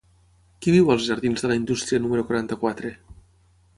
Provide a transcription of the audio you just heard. Qui viu als jardins de la Indústria número quaranta-quatre?